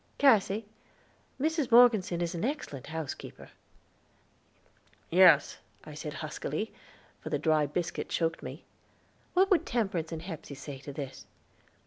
"Cassy, Mrs. Morgeson is an excellent housekeeper." "Yes," I said huskily, for the dry biscuit choked me. "What would Temperance and Hepsey say to this?"